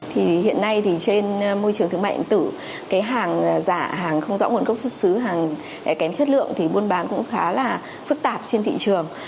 hiện nay trên môi trường thương mạnh tử hàng giả hàng không rõ nguồn gốc xuất xứ hàng kém chất lượng thì buôn bán cũng khá là phức tạp trên thị trường